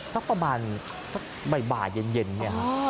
สักประมาณสักบ่ายเย็นเนี่ยฮะ